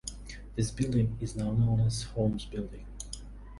This building is now known as the Holme Building.